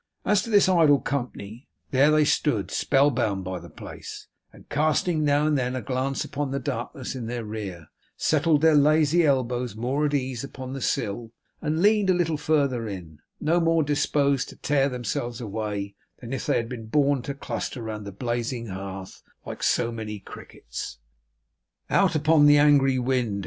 As to this idle company, there they stood, spellbound by the place, and, casting now and then a glance upon the darkness in their rear, settled their lazy elbows more at ease upon the sill, and leaned a little further in: no more disposed to tear themselves away than if they had been born to cluster round the blazing hearth like so many crickets. Out upon the angry wind!